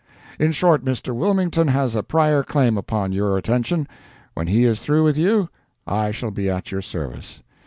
In short, Mr. Wilmington has a prior claim upon your attention. When he is through with you, I shall be at your service.